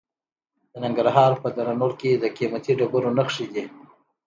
د ننګرهار په دره نور کې د قیمتي ډبرو نښې دي.